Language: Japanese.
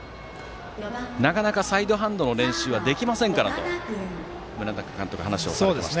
なかなかサイドハンドの練習はできませんからと村中監督は話をされていました。